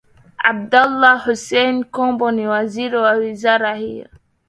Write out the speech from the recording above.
Abdallah Hussein Kombo ni Waziri wa Wizara hiyo